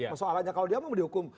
persoalannya kalau dia mau dihukum